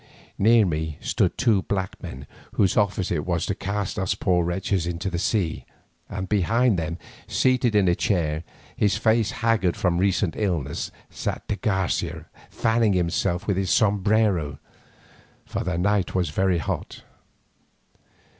Near me stood two black men whose office it was to cast us poor wretches into the sea, and behind them, seated in a chair, his face haggard from recent illness, sat de Garcia fanning himself with his sombrero, for the night was very hot.